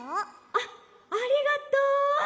「あっありがとう。